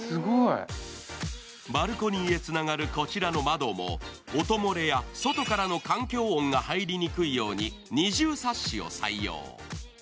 バルコニーへつながるこちらの窓も、音漏れや外からの環境音が入りにくいように二重サッシを採用。